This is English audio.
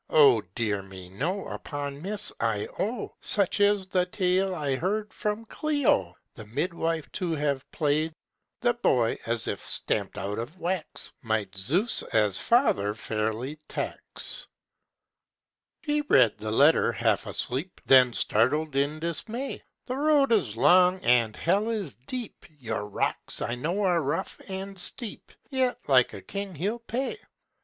Oh, dear me, no! upon Miss Io (Such is the tale I heard from Clio) The midwife to have played. The boy, as if stamped out of wax, Might Zeus as father fairly tax. He read the letter half asleep, Then started in dismay: "The road is long, and hell is deep, Your rocks I know are rough and steep ... Yet like a king he'll pay!"